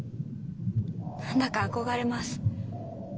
何だか憧れます。